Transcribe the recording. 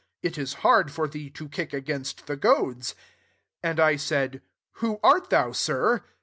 // is hard for thee to kick against the goads.' 15 And I said, * Who art thou, Sir